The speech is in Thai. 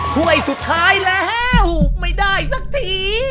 ถ้วยสุดท้ายแล้วไม่ได้สักที